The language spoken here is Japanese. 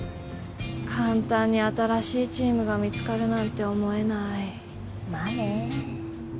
簡単に新しいチームが見つかるなんて思えないまあね